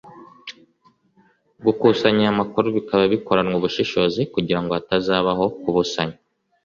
Gukusanya aya makuru bikaba bikoranwa ubushishozi kugira ngo hatazabaho kubusanya